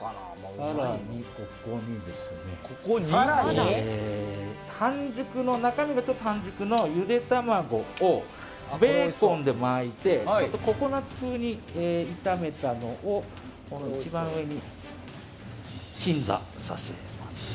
更にここに中身がちょっと半熟のゆで卵をベーコンで巻いてココナツ風に炒めたのを一番上に鎮座させます。